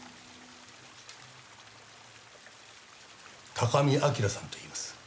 高見明さんといいます。